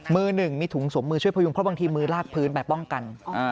มือหนึ่งมีถุงสวมมือช่วยพยุงเพราะบางทีมือลากพื้นไปป้องกัน